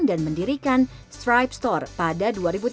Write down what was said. dan mendirikan stripe store pada dua ribu tiga belas